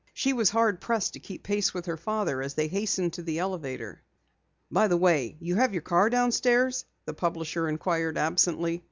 She was hard pressed to keep pace with her father as they hastened to the elevator. "By the way, you have your car downstairs?" the publisher inquired absently.